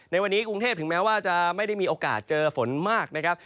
ในวันนี้กรุงเทพถึงแม้ว่าจะไม่ได้มีโอกาสเจอฝนมากนะครับ